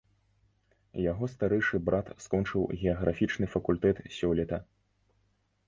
Яго старэйшы брат скончыў геаграфічны факультэт сёлета.